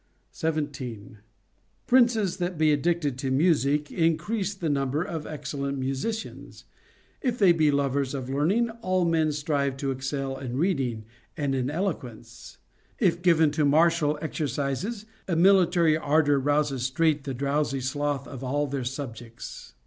17. Princes that be addicted to music increase the num ber of excellent musicians ; if they be lovers of learning, all men strive to excel in reading and in eloquence ; if given to martial exercises, a military ardor rouses straight the drowsy sloth of all their subjects.